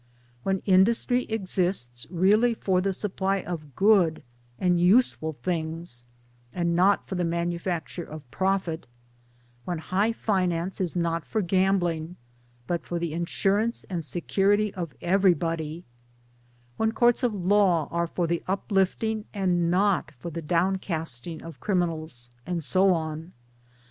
When Industry exists really for the supply of good and useful things and not foil the manufacture of profit ; when High Finance is not for gambling, but for the insurance and security of everybody ; when Courts of Law are for the uplifting and not for the downeasting of criminals, and so on?